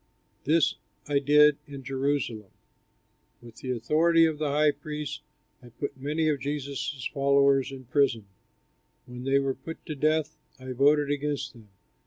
This I did in Jerusalem. With authority from the high priests, I put many of Jesus' followers in prison. When they were put to death, I voted against them.